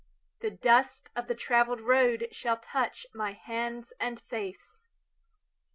The dust of the traveled roadShall touch my hands and face.